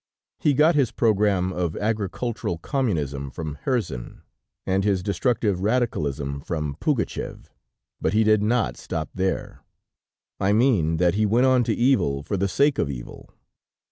He got his program of agricultural communism from Herzen, and his destructive radicalism from Pougatcheff, but he did not stop there. I mean that he went on to evil for the sake of evil.